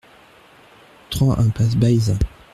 trois impasse Baïsa